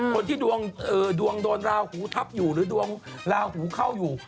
คนที่ดวงโดนราหูทับอยู่หรือดวงลาหูเข้าอยู่